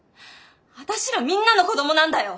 私らみんなの子どもなんだよ。